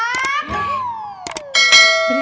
laki lo buruan